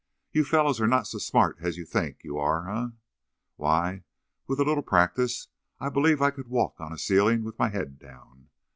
"You fellows are not so smart as you think you are, eh? Why, with a little practice I believe I could walk on a ceiling with my head down.